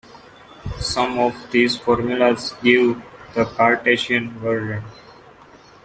Some of these formulas give the "Cartesian" version.